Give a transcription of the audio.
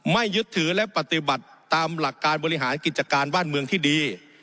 ยึดถือและปฏิบัติตามหลักการบริหารกิจการบ้านเมืองที่ดี